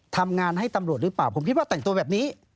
ทำงานให้ตำรวจหรือเปล่าผมคิดว่าแต่งตัวแบบนี้